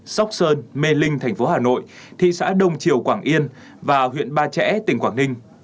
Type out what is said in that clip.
sóc sơn mê linh thành phố hà nội thị xã đông triều quảng yên và huyện ba trẻ tỉnh quảng ninh